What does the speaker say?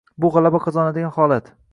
Bu g'alaba qozonadigan holat